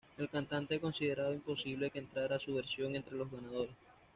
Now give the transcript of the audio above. El cantante consideraba imposible que entrara su versión entre los ganadores.